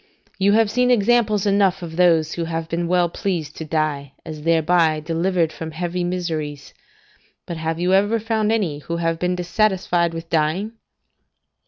you have seen examples enough of those who have been well pleased to die, as thereby delivered from heavy miseries; but have you ever found any who have been dissatisfied with dying?